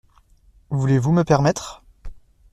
Voulez-vous me permettre ?